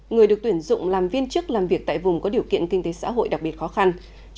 người được tuyển dụng làm viên chức làm việc tại vùng có điều kiện kinh tế xã hội đặc biệt khó khăn